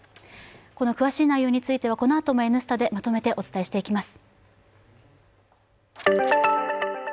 この詳しい内容についてはこのあとも「Ｎスタ」でまとめてお伝えしていきます。